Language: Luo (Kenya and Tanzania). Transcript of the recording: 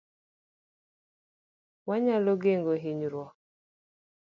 Wanyalo geng'o hinyruok